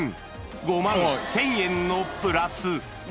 ５万１０００円のプラス。